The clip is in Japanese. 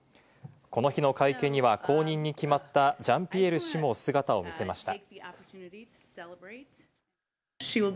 この日の会見には後任に決まったジャンピエール氏も姿を見せました。